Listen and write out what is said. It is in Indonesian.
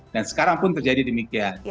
dan sekarang pun terjadi demikian